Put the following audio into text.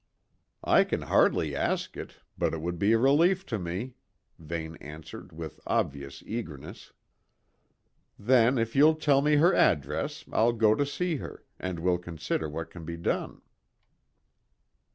"I can hardly ask it, but it would be a relief to me," Vane answered with obvious eagerness. "Then, if you'll tell me her address, I'll go to see her, and we'll consider what can be done."